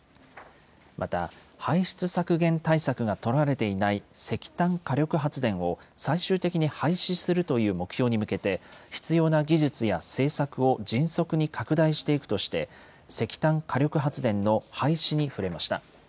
また、排出削減対策が取られていない石炭火力発電を最終的に廃止するという目標に向けて、必要な技術や政策を迅速に拡大していくとして、石炭火力発電の廃止に触れました。